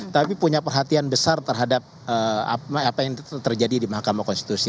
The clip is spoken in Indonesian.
tapi punya perhatian besar terhadap apa yang terjadi di mahkamah konstitusi